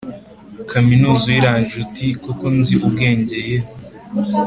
kaminuza uyirangije uti koko nzi ubwenge ye